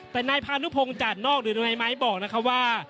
แต่นายพานุพงศ์จากนอกหรือดังในไม้บอกนะครับว่า